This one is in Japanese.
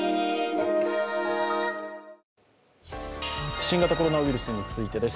新型コロナウイルスについてです。